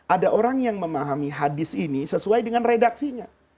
ada orang yang memahami hadis ini sesuai dengan redaksinya